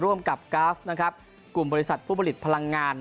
ร่วมกับกราฟนะครับกลุ่มบริษัทผู้ผลิตพลังงาน